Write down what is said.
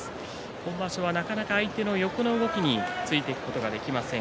今場所はなかなか相手の横の動きについていくことができません。